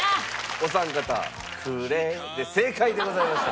お三方「暮れ」で正解でございました。